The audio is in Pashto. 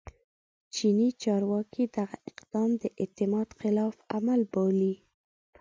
چیني چارواکي دغه اقدام د اعتماد خلاف عمل بللی